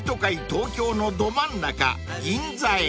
東京のど真ん中銀座へ］